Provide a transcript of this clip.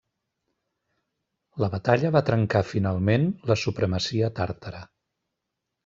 La batalla va trencar finalment la supremacia tàrtara.